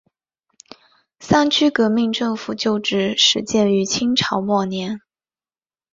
三区革命政府旧址始建于清朝末年。